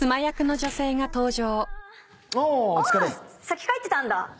先帰ってたんだ。